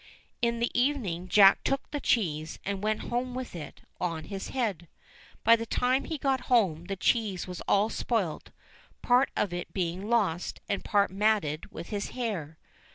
In the evening Jack took the cheese, and went home with it ' on his head. By the time he got home the cheese was all spoilt, part of it being lost, and part matted with his hair.